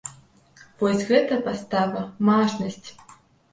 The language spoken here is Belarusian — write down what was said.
Вось гэта пастава, мажнасць!